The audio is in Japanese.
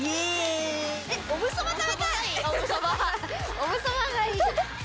オムそばがいい！